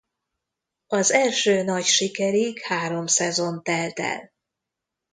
Az első nagy sikerig három szezon telt el.